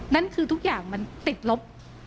นั่นคือทุกอย่างมันติดลบ